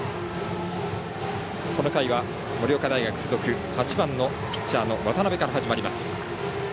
この回は、盛岡大付属８番のピッチャーの渡邊から始まります。